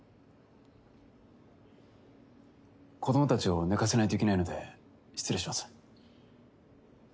子供たちを寝かせないといけないので失礼します。